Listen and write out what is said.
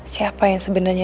siapa yang sebenarnya